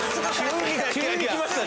急にきましたね